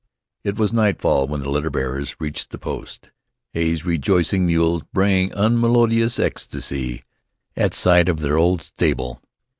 It was nightfall when the litter bearers reached the post, Hay's rejoicing mules braying unmelodious ecstasy at sight of their old stable.